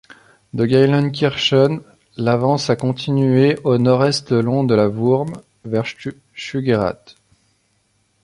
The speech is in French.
De Geilenkirchen, l'avance a continué au nord-est le long de la Wurm vers Süggerath.